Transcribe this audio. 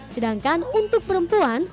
sedangkan untuk perempuan